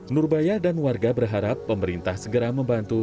nurbaya dan warga berharap pemerintah segera membantu